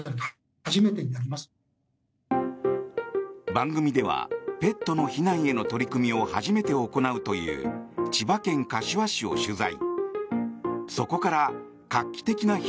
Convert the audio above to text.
番組ではペットの避難への取り組みを初めて行うという千葉県柏市を取材。